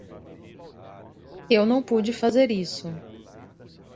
Eu não pude fazer isso.